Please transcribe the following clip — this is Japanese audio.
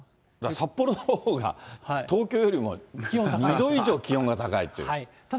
札幌のほうが東京よりも気温２度以上、気温が高いという。